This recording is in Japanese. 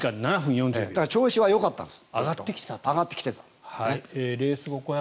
でも調子はよかったんです。